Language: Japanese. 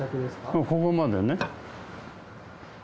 そう、ここまでね。